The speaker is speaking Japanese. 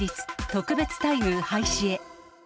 特別待遇廃止へ。